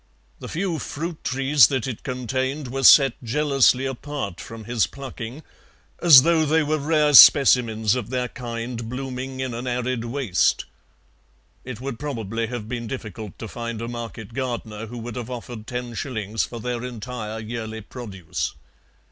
The few fruit trees that it contained were set jealously apart from his plucking, as though they were rare specimens of their kind blooming in an arid waste; it would probably have been difficult to find a market gardener who would have offered ten shillings for their entire yearly produce.